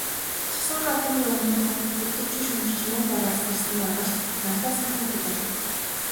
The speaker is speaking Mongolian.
Цусан гавьяаны өмнөхөн, өдөржин, шөнөжин ширүүн бороо асгарсны маргааш нартай сайхан өдөр болов.